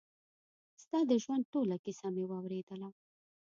ستا د ژوند ټوله کيسه مې واورېدله.